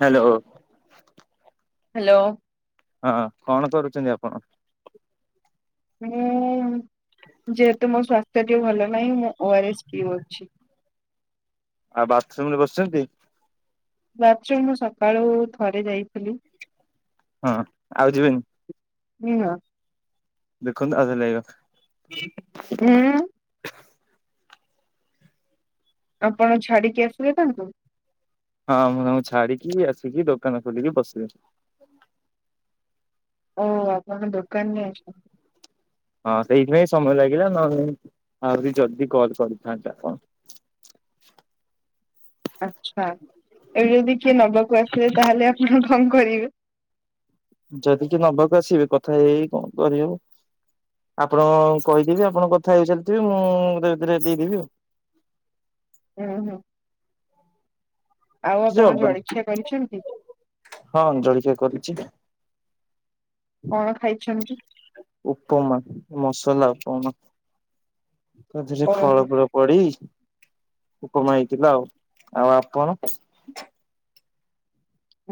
Hello. Hello. ହଁ କଣ କରୁଚନ୍ତି ଆପଣ? ହଁ ଯେ ତୁମୋ ସ୍ୱାସ୍ ସେ ଟିକେ ଭଲ ନାହିଁ ମୁଁ ଓ ଆର ଏସ୍ ପିଉ ଅଛି। ଆଉ ବାଥରୁମ୍ ରେ ବସିଛନ୍ତି? ରାତ୍ର ମୁଁ ସକାଳୁ ଥରେ ଯାଇଥିଲି। ହଁ ଆଉ ଯିବେନି। ନିହ। ଦେଖନ୍ତୁ [unintelligible] ଅଁ, ଆପଣ ଛାଡିକି ଆସିବେ ତାଙ୍କୁ? ହଁ ମୁଁ ତାଙ୍କୁ ଛାଡିକି ଆସିକି ଦୋକାନ ଖୋଲିକି ବସିଲିଣି। ଓ ଆପଣ ଦୋକାନରେ ଅଛନ୍ତି। ହଁ ସେଇଥିପାଇଁ ସମୟ ଲାଗିଲା ନହେଲେ ଆହୁରି ଜଲଦି କଲ୍ କରିଥାନ୍ତା କଣ। ଆଚ୍ଛା, ଏବେ ଯଦି କିଏ ନବାକୁ ଆସିଥିବେ ତାହାଲେ ଆପଣ କଣ କରିବେ? ଯଦି କିିଏ ନବାକୁ ଆସିବେ କଥା ହେଇ ହେଇ କଣ କରିହବ। ଆପଣ କହିଦେବି ଆପଣ କଥା ହେଇ ଚାଲିଥିବେ ମୁଁ ତା ଭିତରେ ଦେଇଦେବି ଆଉ। ହଁ ହଁ ଆଉ କିଛି ଆପଣ ହବନି ଜଳଖିଆ କରିଛନ୍ତି? ହଁ ଜଳିଖିଆ କରୁଛି। କଣ ଖାଇଛନ୍ତି? ଉପମା ମସଲା ଉପମା। ତାଥିଏ ରେ ଫଳ ଓହୋ ଫଳ ପଡି଼। ଉପମା ହେଇଥିଲା ଆଉ ଆପଣ?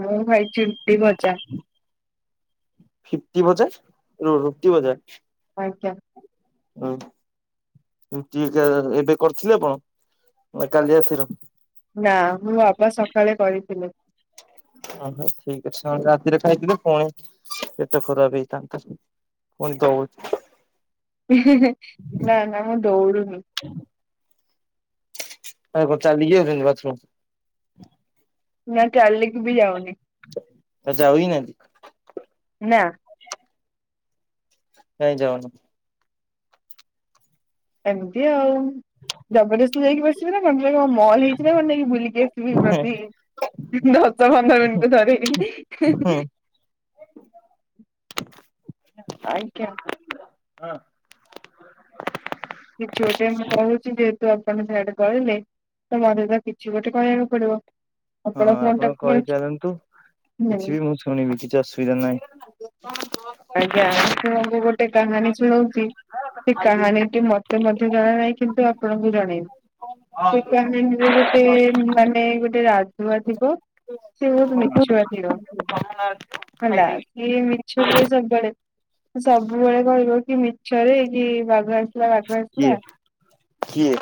ମୁଁ ଖାଇଚି ରୁଟି ଭଜା। ଫିଟ୍ବି ଭଜା ରୁଟି ଭଜା। ଆଜ୍ଞା। ହୁଁ। ରୁଟି ଏବେ କରିଥିଲେ କଣ ନା କାଲି ରାତି ର। ନା ମୋ ବାପା ସକାଳେ କରିଥିଲେ। ଓହୋ ଠିକ୍ ଅଛି ରାତିରେ ଖାଇଥିଲେ ପୁଣି ପେଟ ଖରାପ ହେଇଥାନ୍ତା। କଣି ଦଉ ନା ନା ମୁଁ ଦୌଡ଼ୁନି। [unintelligible] ଆରେ ଚାଲି ଯାଉ ବାଥରୁମ। ନା ଚାଲିକି ବି ଯାଉନି। ଆଉ ଯାଉ ହି ନାହିଁ। ନାଁ। କାଇଁ ଯାଉନ। ଏମିତି ଆଉ ଜବରଦସ୍ତି ଯାଇକି ବସିବି ନା କଣ ମଲ୍ ହେଇଛି ନା କଣ ନେଇକି ବୁଲିକି ହେଁ ଆସି- [unintelligible] ଦଶ ପନ୍ଦର ମିିନଟ ରେ ଥରେ। ଆଜ୍ଞା। ହେଁ କିଛି ଗୋଟେ ମୁଁ କହୁଛି ଯେହେତୁ ଆପଣ ସେଆଡ଼େ କହିଲେ। ତ ମୋତେ ତ କିଛି ଗୋଟେ କହିଆକୁ ପଡି଼ବ। ହଁ ଆପଣ କହିଚାଲନ୍ତୁ କିଛି ବି ମୁଁ ଶୁଣିବି କିଛି ଅସୁବିଧା ନାହିଁ। ଆଜ୍ଞା ଆପଣଙ୍କୁ ଗୋଟେ କାହାଣୀ ଶୁଣଉଚି ସେ କାହାଣୀ ଟି ମତେ ମଧ୍ୟ ଜଣା ନାହିଁ କିନ୍ତୁ ଆପଣଙ୍କୁ ଜଣେଇବି। ସେ କାହାଣୀ ରେ ଗୋଟେ ମାନେ ଗୋଟେ ରା ଧୁଆ ଥିବ ସେ ବହୁତ ମିଛୁଆ ଥିବ। ହେଲା ସିଏ ମିଛ କୁହେ ସବୁବେଳେ ସବୁବେଳେ କହିବ କି ମିଛରେ କି ବାଘ ଆ ସିଲା ବାଘ କିଏ ଆସିଲା କିଏ?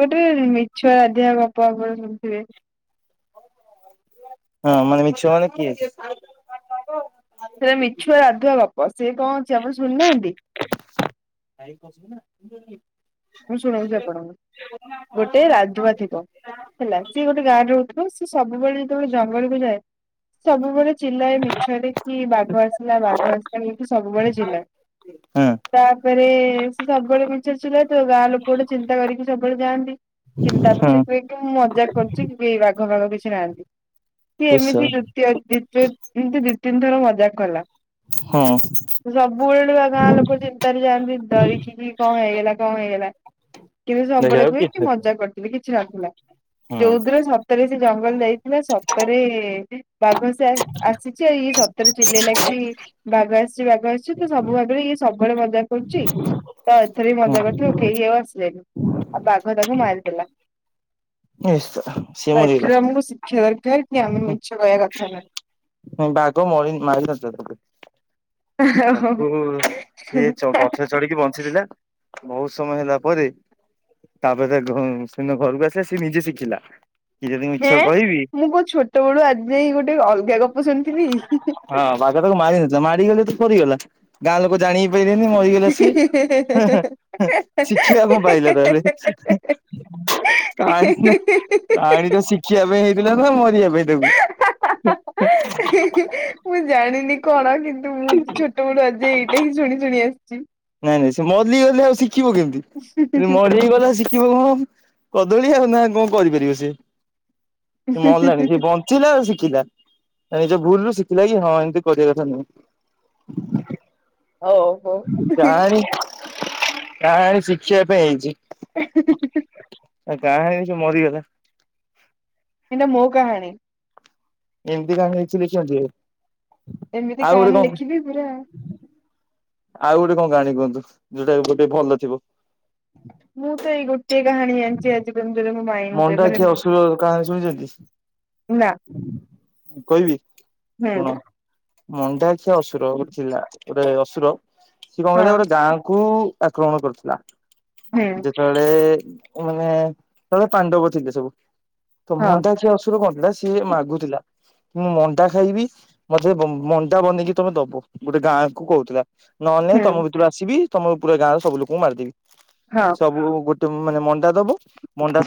ଗୋଟେ ମିଛୁଆ ରାଧିଆ ଗପ ଆପଣ ଶୁଣିଥିବେ? ହଁ ମାନେ ମିିଛୁଆ ମାନେ କିଏ? ସେଟା ମିଛୁଆ ରାଧୁଆ ଗପ ସେ କଣ ଅଛି ଆପଣ ଶୁଣିନାହାନ୍ତି? [inaudible] ମୁଁ ଶୁଣଉଚି ଆପଣକୁ। ଗୋଟେ ରାଧୁଆ ଥିବ ହେଲା ସିଏ ଗୋଟେ ଗାଁ ରେ ରହୁଥିଲା। ସିଏ ସବୁ ସବୁବେଳେ ଯେତେବେଳେ ଜଙ୍ଗଲକୁୁ ଯାଏ। ସବୁବେଳେ ଚିଲାଏ ମିଛରେ କି ବାଘ ଆସିଲା ବାଘ ଆସିଲା ଏମିତି ସବୁବେଳେ ଜିଲାଏ। ହଁ ତାପରେ ସବୁବେଳେ ମିଛରେ ଚିଲାଏ। ତ ଗାଁ ଲୋକ ଗୋଟେ ଚିନ୍ତା କରିକି ସବୁବେଳେ ଯାଆନ୍ତି। କିନ୍ତା ତା ହଁ ପାଖ କୁହେ କି ମୁଁ ମଜା କରୁଛି କେହି ବାଘ ଫାଗ କିଛି କେହି ନାହାଁନ୍ତି ସିଏ ଈଶ୍ୱର ଏମିତି ଦ୍ଵିତୀୟ ଦି ତିନି ଏମତି ଦିଇ ତିନି ଥର ମଜା କଲା। ହଁ [inaudible] ସବୁବେଳେ ଗାଁ ଲୋକ ଚିନ୍ତାରେ ଯାଆନ୍ତି ଡ଼ରିକି କଣ ହେଇଗଲା। କଣ ହେଇଗଲା କିନ୍ତୁ ଦେଖିଲା ସବୁବେଳେ ବେଳକୁ କୁହେକି କିଛି ମଜା କରିଥିଲି କିଛି ନଥିଲା। ନଥିଲା ଯୋଉଦିନ ସତରେ ସେ ଜଙ୍ଗଲ ଯାଇଥିଲା। ସତରେ ବାଘ ଆସିଛି ଏଇ ସତରେ ଚିଲେଇଲା କିି ବାଘ ଆସି ଭ ଆଛି ତ ସବୁ ଭାଗରେ ଇଏ ସବୁଳେ ମଜା କରୁଛି ତ ଏଥରେ ବି ହଁ ହଁ ମଜା କରୁ କେହି ଆଉ ଆସିଲେନି ଆଉ ତା ଆଗ ବାଘ ମାରିଦେଲା। ଈଶ୍ୱର ସିଏ ତ ମରିଗଲା। ଏଥିରେ ଆମକୁ ଶିକ୍ଷା ଦରକାର କି ଆମେ ମିଛ କହିବା କଥା ନାହିଁ। ବାଘ [unintelligible] ନୁହେଁ। ତାକୁ ସିଏ ଗଛରେ ଚଢିକି ବଞ୍ଚିଥିଲା। ବହୁତ ସମୟ ହେଲା ପରେ ତାପରେ କି ଯଦି ମୁଁ ମିଛ ହେଁ କହିବି ମୁଁ କଣ ଛୋଟ ବେଳୁ ଆଜି ଯାଇ ଗୋଟେ ଅଲଗା ଗପ ଶୁଣିଥିଲି ହିଁ ହିଁ। ଆ ତାକୁ ମାର ନଥିଲା ମାରିଗଲେ ତ ସରିଗଲା। ଗାଁ ଲୋକ ଜାଣିି ପାରିଲେନି ମରିଗଲା ସିଏ। ଶିଖିବା କଣ ପାଇଲେ ତାହେଲେ [inaudible] କାହାଣୀ ତ ଶିଖିବା ପାଇଁ ହେଇଥିଲା ନା ମାରିବା ପାଇଁ ତାକୁ? ମୁଁ ଜାଣିନି କଣ କିନ୍ତୁ ମୁଁ ଛୋଟ ବଳୁ ଆଜି ଏଇଟା ହିଁ ଶୁଣି ଶୁଣି ଆସିଛି। ନାଇଁ ନାଇଁ ସେ ମଲି ଗଲେ ଆଉ ଶିଖିବ କେମତି? ଇ ମରିଗଲା ଶିଖିବ କଣ? କଦଳୀ ଆଉ ନା କଣ କରିପାରିବେ ସିଏ ମଲାଣି ସିଏ ବଞ୍ଚିଲେ ଆଉ ସି ଶିଖିଲା ତା ନିଜ ଭୁଲରୁୁ ଶିଖିଲା କି ହଁ ଏମତି କରିଆ କଥା ନୁହେଁ। ଓହୋ କାହାଣୀ କାହାଣୀ ଶିଖିଆ ପାଇଁ ହେଇଛି। ଏଇଟା ଆଉ ଗାଁ ରେ ସିଏ ମରିଗଲା। ଏଇଟା ମୋ କାହାଣୀ। ଏମତି ଗାଁ ଟା ଆକ୍ଚୋଲି ଚେଞ୍ଜ। ଏମିତି କାହାଣୀ ଲେଖିବି ପୁରା ଆଉ ଗୋଟେ କଣ କାହାଣୀ କୁହନ୍ତୁ ଯୋଉଟା ଏବେ ଗୋଟେ ଭଲ ଥିବ। ମୁଁ ତ ଏଇ ଗୋଟିଏ କାହାଣୀ ଆଣିଚି ଆଜି ପ୍ରାଂଜଳ ମୁଁ ମଣ୍ଡା ଖିଆ ଅସୁର କାହାଣୀ ନା ଶୁଣିଛନ୍ତି କହିବି? ହୁଁ। ମଣ୍ଡା ଆଖିଆ ଅସୁର ଗୋଟେ ଥିଲା। ଗୋଟେ ଅସୁର ସି ଏ କଣ ହଁ କହିଲା ଗୋଟେ ଗାଁ କୁ ଆକ୍ରମଣ କରିଥିଲା। ହୁଁ। ଯେତେବେଳେ ମାନେ ତେ ବେଳେ ପାଣ୍ଡବ ଥିଲେ ସବୁ ତ ହଁ ମଣ୍ଡାଖିଆ ଅସୁର କଣ ଥିଲା ସିଏ ମାଗୁଥିଲା। ମୁଁ ମଣ୍ଡା ଖାଇବି ମତେ ମ-ମଣ୍ଡା ବନେଇକି ତମେ ଦବ ଗୋଟେ ଗାଁକୁ କହୁଥିଲା। ନହେଲେ ନାଇ ହୁଁ ତମ ଭିତରୁ ଆସିବି ତମର ପୁରା ଗାଁର ସବୁ ଲୋକଙ୍କୁ ମାରିଦେବି। ହଁ ସବୁ ଗୋ ସେ ମ ମାନେ ମଣ୍ଡା ଦବ। ମଣ୍ଡା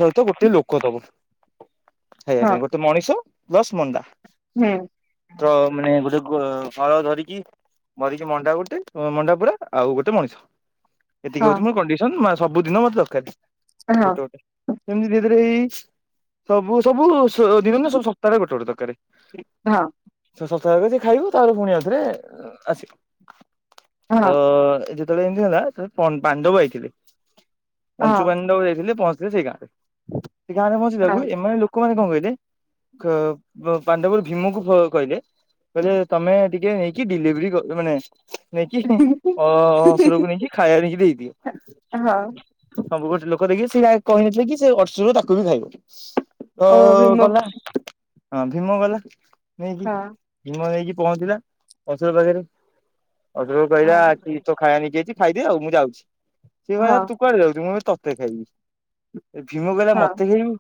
ଖାଇଆ ହଁ ପାଇଁ ଗୋଟେ ମଣିଷ ପ୍ଲସ ମଣ୍ଡା। ହୁଁ। ତ ମାନେ ଗୋଟେ କ ହଳ ଧରିକି ମରିକି ମଣ୍ଡା ଗୋଟେ ଅ ମଣ୍ଡା ପୁରା ଆଉ ଗୋଟେ ମଣିଷ। ଏତିକି ହଁ ହଉଛି ମୋ କଣ୍ଡିସନ ସବୁ ଦିନ ମତେ ଦରକାର। ହଁ। ଏମିତି ଧିରେ ଧିରେ ହେଇ ହେଇ ସବୁ ସବୁ ଦିନ ନା ସବୁ ସପ୍ତାହରେ ଗୋଟେ ଗୋଟେ ଦରକାରେ। [inaudible] ସେ ସ ତା ବାଦେ ଖାଇବୁ ତାପରେ ପୁଣି ଆଉ ଥରେ ଉ ଆସିବୁ ହଁ ତ ହଁ ଏ ଯେତେବେଳେ ଏମତି ହେଲା ତ ପ-ପାଣ୍ଡବ ଆଇଥିଲେ। ପଞ୍ଚୁ ହଁ ପାଣ୍ଡବ ଯାଇଥିଲେ ପହଁଚ ସେ ସେଇ ଗାଁରେ। ସେ ଗାଁ ରେ ପହଁଞ୍ଚିଲା ବେଳକୁୁ ହଁ। ଏମାନେ ଲୋକମାନେ କଣ କହିଲେ କ ପ-ପାଣ୍ଡବ ଭୀମକୁ ଫ କହିଲେ? କହିଲେ ତମେ ଟିକେ ନେଇକି ଡିଲିଭରି କ ମାନେ ନେଇକି ଅ ଅ ସୁରକୁ ନେଇକି ଖାଇବା ନେଇକି ଦେଇଦିଏ। ହଁ ସବୁ ଗୋଟେ ଲୋକ ଦେକି ସେଇଟା କହିନଥିଲେ କି ସେ ଅସୁର ତାକୁ ବି ଖାଇବ। ତ ଓ ଗଲା ଭୀମକୁ ହଁ ଭୀମ ଗଲା ନେଇକି ହଁ ଭୀମ ନେଇକି। ପହଞ୍ଚିଲା ଅସୁର ପାଖରେ ଅସୁରକୁ କହିଲା ହଁ କି ତୋ ଖାଇବା ନେଇକି ଖାଇଦେ ଆଉ ମୁଁ ଯାଉଛି ସେଏ କହିଲା ହଁ ତୁ କୁଆଡେ ଯାଉଛୁ ମୁଁ ଏବେ ତତେ ଖାଇବି। ଭୀମ କହିଲା ହଁ ମତେ ଖାଇବୁ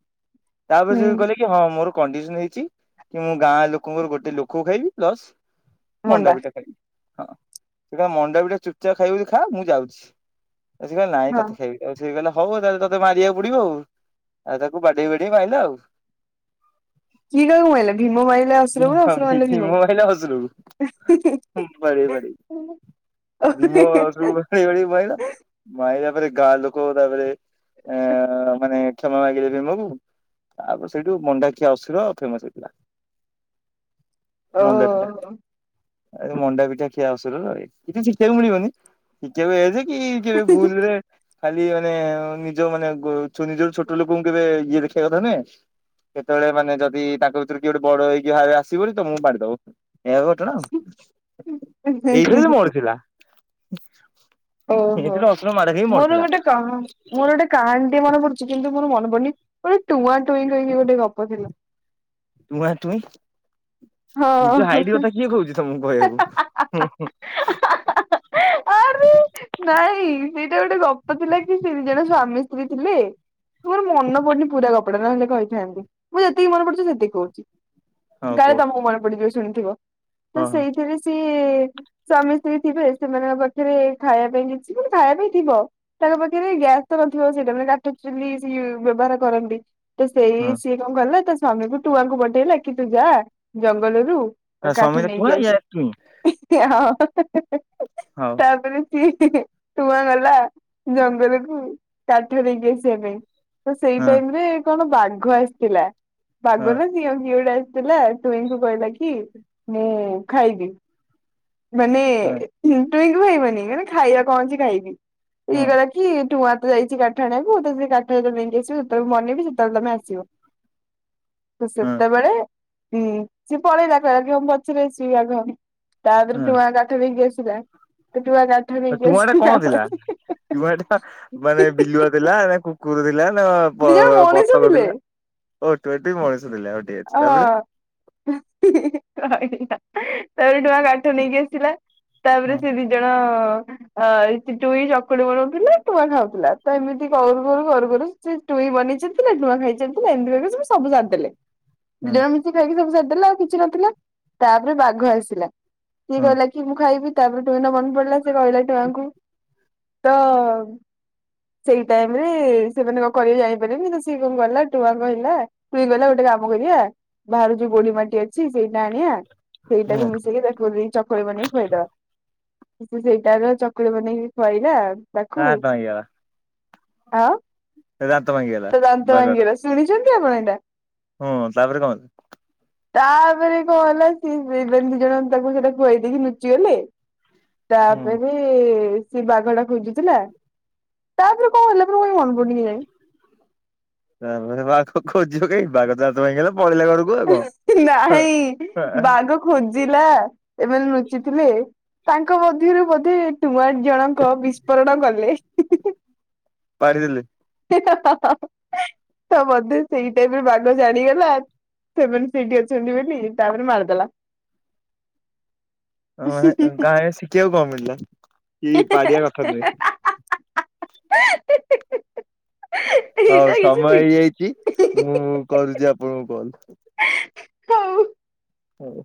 ତାପରେ ହୁଁ ଯେ କହିଲା କି ହଁ ମୋର କଣ୍ଡିସନ ହେଇଛି କି ମୁଁ ଗାଁ ଲୋକଙ୍କର ଗୋଟେ ଲୋକ ଖାଇବି ପ୍ଲସ ମଣ୍ଡା ପିଠା ଖାଇବି। ହଁ ସେଟା ମଣ୍ଡା ପିଠା ଚୁପଚାପ ଖାଇବୁ ଯଦି ଖା ମୁଁ ଯାଉଛି। ଆ କହିଲ ନାଇଁ ହଁ ତତେଖାଇବି ଆଉ ସେ କିଲ ହଉ ତାହେ ତ ମାରିବାକୁ ପଡିବ ଆଉ। ଆଉ ତାକୁ ବାଡେଇ ବାଡେଇ ମାଇଲା ଆଉ। କିଏ କାହାକୁ ମାଇଲା ଭୀମ ମାଇଲା ଅସୁରକୁ ନା ଅସୁର ମାଇଲା [inaudible] ମୋ ଭୀମକୁ? ଭଳିଆ ହସିଲୁ। [inaudible] ବାଡ଼େଇ ବାଡ଼େଇ। ଭିମ ଭାଇ ବାଡେଇ ବାଡେଇ ମିଇଲା। ଆଉ ତାପରେ ଗାଁ ଲୋକ ତାପରେ ଆ ମାନେ କ୍ଷମା ମାଗିଲେ ଜାଇ ତାକୁ। ତାପରେ ସେଇଠୁ ମଣ୍ଡାଖିଆ ଅସୁର ଫେମସ ହେଇଥିଲା। ଓହୋ। ଏ ମଣ୍ଡା ପିଠା ଖିଆ ଆସ କିଛିଷଶିଖିବାକୁ ମିଳିବନି। ଶିଖିବାକୁ ଯାଇଥି କି କେବେ ଭୁଲ ରେ ଖାଲି ମାନେ ନିଜ ମାନେ ନିଜର ଛୋଟ ଲୋକଙ୍କୁ କେବେ ଇଏ ଦେଖ ସେ କଥା ନୁହେଁ କେତେବେଳେ ମାନେ ଯଦି ତାଙ୍କ ଭିତରେ କିଏ ଗୋଟେ ବଡ ହେଇକି ଆସିବନି ତ ମୁଁ ମାରିଦବ। ଏ ଘଟଣା [inaudible] ଏଇଭଳି ମରିଥିଲା। ଓହୋ ଏଇଥିରେ ଅସୁର ମାଡ ଖାଇକି ମୋର ମରିଥିଲା। ଗୋଟେ କ ମୋର ଗୋଟେ କାହା ଟ ମନେ ପଡୁଛି କିନ୍ତୁ ମୋର ମନ ପଡୁନି। ଟୁଆଁ ଟୁଇଁ ଟୁଇଁ ଗୋଟେ ଗପ ଥିଲା। [inaudible] ଟୁଆଁ ଟୁଇଁ ନିଜ ହଁ। ହାଇଟ କଥା କିଏ କହୁଛି ତମକୁ କହିବାକୁ। ଆରେ ନାଇଁ ସେଇଟା ଗୋଟେ ଗପ ଥିଲା କି ସେ ଜଣେ ସ୍ୱାମୀ ମିସ୍ତ୍ରୀ ଥିଲେ। ମୋର ମନ ପଡୁନି ପୁରା କପଟା ନହେଲେ କହିଥାନ୍ତି। ମୁଁ ଯେତିକି ମନେ ପଡୁଛି ସେତିକି କହୁଛି। ଆଉ କୁହ। ଯିବ ଶୁଣିଥିବ ତ ହଁ ହଁ। ସେଇଥିରେ ସେ ସ୍ୱାମୀ ସ୍ତ୍ରୀ ଥିବେ ସେମାନଙ୍କ ପାଖରେ ଖାଇବା ପାଇଁ କିଛି ମାନେ ଖାଇବା ପାଇଁ ଥିବ। ତାଙ୍କ ପାଖରେ ଗ୍ୟାସ୍ ନଥିବ ସେଇଟା ମାନେ କାଠ ଚୁଲି ସେ ବ୍ୟବହାର କରନ୍ତି। ତ ସେଇ ହୁଁ ସିଏ କଣ କିଲ ତା ସ୍ଵାମୀ କ ଟୁଆଙ୍କୁ ପଠେଇଲା କି ତୁ ଯା ଜଙ୍ଗଲରୁୁ ତା କାଠ ସ୍ୱାମୀ ନେଇକି ଟୁଆଁ ଇଏ ଆସିବୁ ଟୁଇଁ ହଉ ତାପରେ ଟୁଆଁ ଗଲା ଜଙ୍ଗଲ କୁ କାଠ ନେଇକି ଆସିବା ପାଇଁ? ତ ସେଇ ହଁ ଟାଇମ ରେ କଣ ବାଘ ଆସିଥିଲା ବାଘ ହଁ ନା ସିଆଳ କିଏ ଗୋଟେ ଆସିଥିଲା। ତୁହିଁଙ୍କୁ କହିଲା କି ମୁଁ ଖାଇବି। [inaudible] ମାନେ ହଁ ଟୁଇଁ ଖାଇବନି ମାନେ ଖାଇବା କଣ ଅଛି ଖାଇବି ଇଏ ହଁ ଗଲା କି ଟୁଆଁ ଯାଇଛି କାଠ ଆଣିବାକୁ ତ କାଠ ଯେତେବେଳେ ନେଇକି ଆସିବ ଯେତେବେଳେ ବନେଇବି ସେତେବେଳେ ତମେ ଆସିବ। ତ ହଁ। ସେତେବେଳେ ସିଏ ପଳେଇଲା କ ଆଗ ପଛରେ ଆସିବି ବାଘ। ତାପରେ ହଁ ଟୁଆଁ କାଠ ନେଇକି ଆସିଲା। ଟୁଆଁ କାଠ ନେଇକି ଟୁଆଁ ଗୋଟେ ଆସିଲା କଣ ଥିଲା ପରେ ଟଆଁ ଟା ମାନେ ବିଲୁଆ ଥିଲା ନା କୁକୁର ପିଲା ନା ବ ଦି ଜଣ ମଣିଷ ବତକ ଥିଲେ ପିଲା ଓ ଏଠୁ ଏଠି ମଣିଷ ଥିଲେ ହଉ ଠିକ୍ ଅଛି ହଁ ତାପରେ [unintelligible] ଟଆଁ କାଠ ନେଇକି ଆସିଲା ତାପରେ ହୁଁ ସେ ଦି ଜଣ ଆ ସେ ଟୁଇଁ ଚକୁଳି ବନାଉଥିଲା ଟୁଆଁ ଖାଉଥିଲା ତ ଏମିତି କରୁ କରୁ କରୁ କରୁ ସେ ଟୁ ଟୁଇଁ ବନେଇଚାଲିଥିଲା ଟୁଆଁ ଖାଇଚାଲିଥିଲା ଏମିତି କରିକି ସବୁ ସାରିଦେଲେ। ହୁଁ ଦୀଜନ ମିଶି ଖାଇକି ସବୁ ସାରିଦେଲା ଆଉ କିଛି ନଥିଲା ତାପରେ ବାଘ ଆସିଲା ସିଏ ହୁଁ କହିଲା କି ମୁଁ ଖାଇବି ତାପରେ ଟୁଇଁ ର ମନ ପଡିଲା ସେଏ କହିଲା ଟୁଆଁଙ୍କୁ ତ ସେଇ ଟାଇମ ରେ ସେମାନେ କଣ କରିବେ ଯାଇପାରିବନି ତ ସିଏ କଣ କଲା ଟୁଆଁ କହିଲା ଟୁଇଁ ଗଲା ଗୋଟେ କା ମ କରିବା ବାହାରୁ ଯୋଉ ଗୋଢ଼ି ମାଟି ଅଛି ସେଇଟା ଆଣିବା। ସେଇଟାକୁ ହୁଁ ମିଶେଇିକି ତାକୁ ଦେଇକି ଚକୁଳି ବନେଇକି ଖୋଇଦବା। ସେ ସେଇଟାର ଚକୁଳି ବନେଇକି ଖୁଆଇଲା କା ପାଇଁ କା? ଆଁ? ଭାଙ୍ଗିଗଲା ତା ଦାନ୍ତ ଭାଙ୍ଗିଗଲା ଶୁଣିଚନ୍ତି ଆପଣ ଏଇଟା? ହଁ ତାପରେ କଣ ହେଲା? ତାପରେ କଣ ହେଲା ସିଏ ଦି ଜଣ ଦି ଜଣଆଙ୍କ ତାକୁ ସେଇଟା ଖୁଆଇ ଦେଇକି ଲୁଚିଗଲେ। ହୁଁ ତାପରେ ସେ ବାଘଟା ଖୋଜିଥିଲା ତାପରେ କଣ ହେଲା ପରେ ମୋର ମନେ ପଡୁନି କାଇଁ କେଜାଣି। ତା ପରେ ବାଘ ଖୋଜିବ କାଇଁ ବାଘ ତା ଦାନ୍ତ ଭାଙ୍ଗିଗଲା ପଳେଇଲା ଘରକୁ ଆଉ କଣ। ନାହିଁ ବାଘ ଖୋଜିଲା ଏମାନେ ଲୁଚିଥିଲେ। ତାଙ୍କ ମଧ୍ୟରୁ ବୋଧେ ଟୁଆଁ ଜଣଙ୍କ ବିସ୍ଫୋରଣ କଲେ। ପଡିଦଲେ ତ ବୋଧେ ସେଇ ଟାଇମ୍ ରେ ବାଘ ଜାଣିଗଲା ସେମାନେ ସେଇଠି ଅଛନ୍ତିି ବୋଲି ତାପରେ ମାରିଦେଲା। ଅ ହେଁ ତାହାଲେ ଶିଖିବାକୁ କଣ ମିଳିଲା କି ପାଡିବା କଥା ନୁହେଁ। ଏଇଟା ହଉ କିଛି ସମୟ ହେଇଯାଇଚି ମୁଁ ଶିଖି କରୁଚି ଆପଣଙ୍କୁ କଲ। ହଉ। ହଉ।